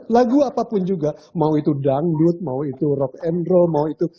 lagu apapun juga mau itu dangdut mau itu rock and roll mau itu